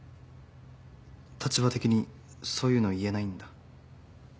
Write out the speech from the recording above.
立場的にそういうの言えないんだ。